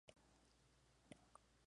Se encuentra en Australia y Tasmania.